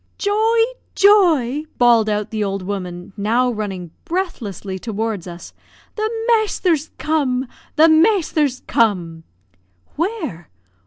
"Joy! Joy!" bawled out the old woman, now running breathlessly toward us. "The masther's come the masther's come!" "Where?